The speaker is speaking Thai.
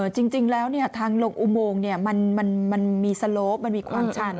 จริงแล้วทางลงอุโมงมันมีสโลปมันมีความชัน